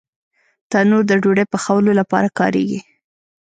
تنور د ډوډۍ پخولو لپاره کارېږي